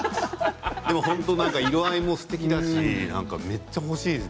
でも本当、色合いもすてきだしめっちゃ欲しいです。